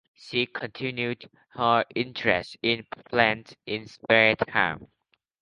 She continued her interest in plants in spare time.